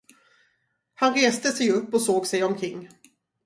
Han reste sig upp och såg sig omkring.